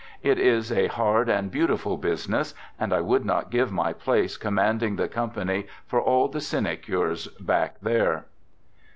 It is a hard and beautiful business, and I would not give my place commanding the com pany for all the sinecures back there."